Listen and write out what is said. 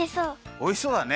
おいしそうだね。